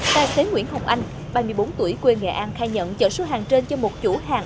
tài xế nguyễn hồng anh ba mươi bốn tuổi quê nghệ an khai nhận chở số hàng trên cho một chủ hàng